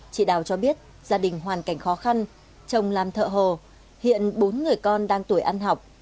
chị đào cho biết gia đình hoàn cảnh khó khăn chồng làm thợ hồ hiện bốn người con đang tuổi ăn học